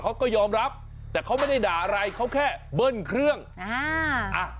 เขาก็ยอมรับแต่เขาไม่ได้ด่าอะไรเขาแค่เบิ้ลเครื่องอ่าอ่ะ